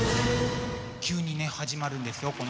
急にね始まるんですよ